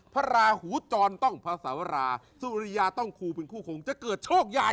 พระราหูจรต้องภาษาวราสุริยาต้องคูเป็นคู่คงจะเกิดโชคใหญ่